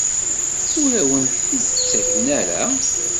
Ur awen-t-id-ttaken ara?